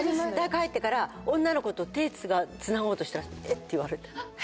大学入ってから女の子と手をつなごうとしたら。って言われた。